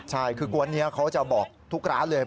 ใช่คือกวนนี้เขาจะบอกทุกร้านเลย